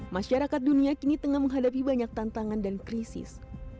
masyarakat dunia kini tengah menghadapi banyak tantangan dan krisis